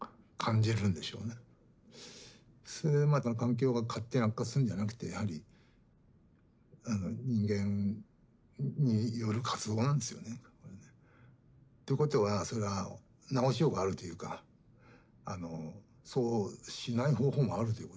それでまた環境が勝手に悪化するんじゃなくてやはり人間による活動なんですよねこれね。ってことはそれは直しようがあるというかそうしない方法もあるということですよ。